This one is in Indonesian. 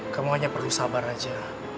kamu hanya perlu sabar aja